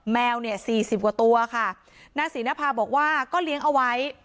แมวเนี่ยสี่สิบกว่าตัวค่ะนางศรีนภาบอกว่าก็เลี้ยงเอาไว้